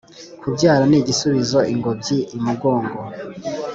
Kubyara ni ugusubiza ingobyi imugongo.